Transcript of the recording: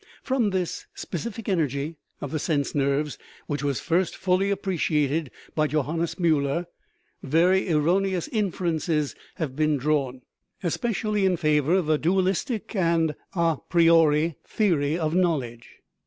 From this specific energy of the sense nerves, which was first fully appreciated by Johannes Miiller, very erroneous inferences have been drawn, especially in favor of a dualistic and & priori theory of knowledge.